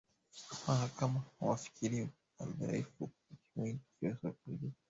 mahakama hawakufikiri uharibifu wa kimwili na kibaiolojia